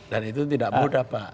dan itu tidak mudah pak